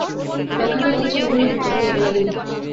ব্যাখ্যাটা আমার কাছে কখনোই যুক্তিসংগত লাগেনি।